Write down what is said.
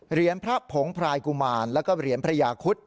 เหรียญพระผงพรายกุมารแล้วก็เหรียญพระยาคุศ